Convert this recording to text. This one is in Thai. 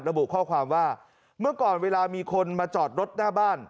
ระบุข้อความว่าเมื่อก่อนเวลามีคนมาจอดรถหน้าบ้าน